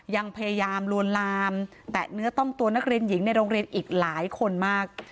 ยังพยายามลวนลามแตะเนื้อต้องตัวนักเรียนหญิงในโรงเรียนอีกหลายคนมาก